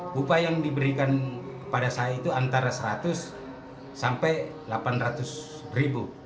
bupa yang diberikan kepada saya itu antara seratus sampai delapan ratus ribu